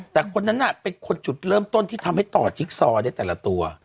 แต่คนนั้นน่ะเป็นคนจุดเริ่มต้นที่ทำให้ต่อจิ๊กซอได้แต่ละตัว